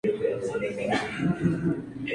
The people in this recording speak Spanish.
Pero ahí no termina todo.